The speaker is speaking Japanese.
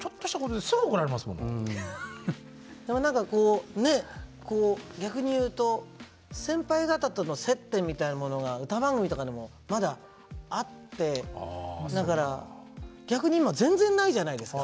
でも何かこうね逆に言うと先輩方との接点みたいなものが歌番組とかでもまだあってだから逆に今全然ないじゃないですか。